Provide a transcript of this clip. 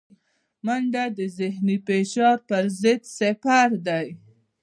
منډه د ذهني فشار پر ضد سپر دی